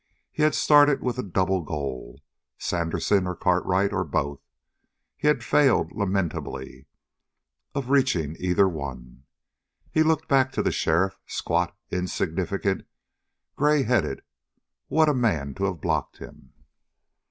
He had started with a double goal Sandersen or Cartwright, or both. He had failed lamentably of reaching either one. He looked back to the sheriff, squat, insignificant, gray headed. What a man to have blocked him!